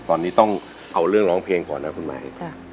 ตอนนี้ต้องเอาเรื่องร้องเพลงก่อนนะคุณหมาย